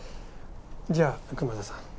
じゃあ熊沢さん。